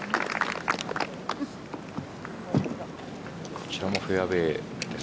こちらもフェアウエー。